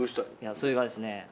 それがですね